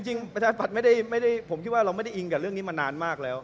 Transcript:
ประชาธิปัตย์ไม่ได้ผมคิดว่าเราไม่ได้อิงกับเรื่องนี้มานานมากแล้ว